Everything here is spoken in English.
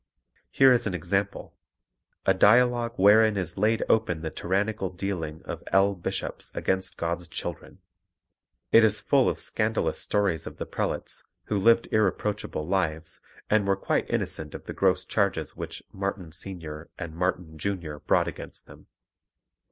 Here is an example: A Dialogue wherein is laid open the tyrannical dealing of L. Bishopps against God's children. It is full of scandalous stories of the prelates, who lived irreproachable lives, and were quite innocent of the gross charges which "Martin Senior" and "Martin Junior" brought against them.